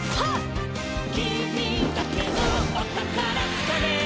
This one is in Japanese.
「きみだけのおたからつかめ！」